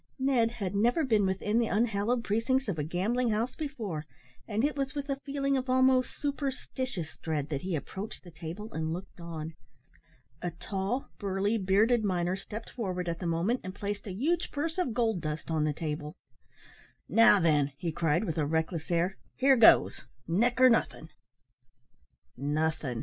Ned had never been within the unhallowed precincts of a gambling house before, and it was with a feeling of almost superstitious dread that he approached the table, and looked on. A tall, burly, bearded miner stepped forward at the moment and placed a huge purse of gold dust on the table "Now, then," he cried, with a reckless air, "here goes neck or nothin'." "Nothin'!"